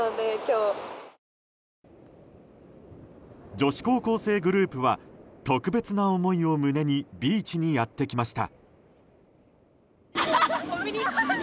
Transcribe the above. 女子高校生グループは特別な思いを胸にビーチにやってきました。